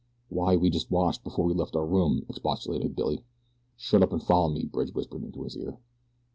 "Why, we just washed before we left our room," expostulated Billy. "Shut up and follow me," Bridge whispered into his ear.